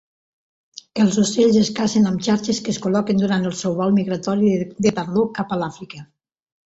Els ocells es cacen amb xarxes que es col·loquen durant el seu vol migratori de tardor cap a l'Àfrica.